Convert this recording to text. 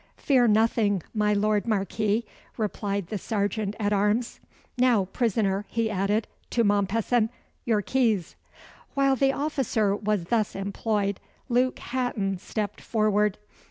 "Fear nothing, my Lord Marquis," replied the Serjant at arms. "Now, prisoner," he added, to Mompesson "your keys!" While the officer was thus employed, Luke Hatton stepped forward.